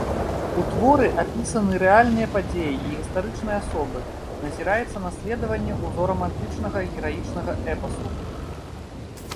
У творы апісаны рэальныя падзеі і гістарычныя асобы, назіраецца наследаванне ўзорам антычнага гераічнага эпасу.